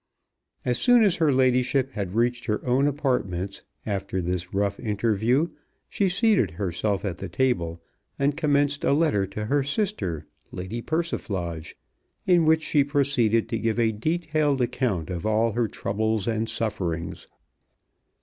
As soon as her ladyship had reached her own apartments after this rough interview she seated herself at the table, and commenced a letter to her sister, Lady Persiflage, in which she proceeded to give a detailed account of all her troubles and sufferings.